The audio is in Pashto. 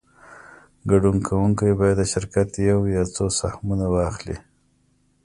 ګډون کوونکی باید د شرکت یو یا څو سهمونه واخلي